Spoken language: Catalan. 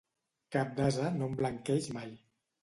Cap d'ase no emblanqueix mai.